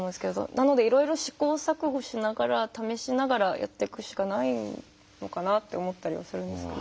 なのでいろいろ試行錯誤しながら試しながらやっていくしかないのかなって思ったりはするんですけど。